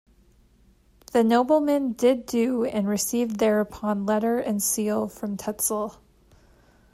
The nobleman did do and received thereupon letter and seal from Tetzel.